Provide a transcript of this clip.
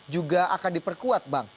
juga akan diperkuat bang